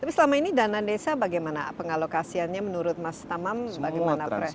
tapi selama ini dana desa bagaimana pengalokasiannya menurut mas tamam bagaimana